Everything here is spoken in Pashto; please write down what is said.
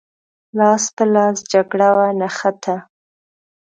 لاس په لاس جګړه ونښته.